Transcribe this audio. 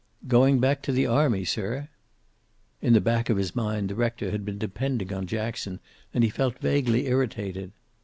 "Going back to the army, sir." In the back of his mind the rector had been depending on Jackson, and he felt vaguely irritated.